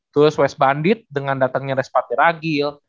terus west bandit dengan datangnya respati ragil